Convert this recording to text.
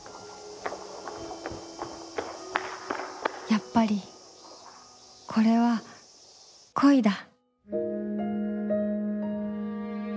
やっぱりこれは恋だ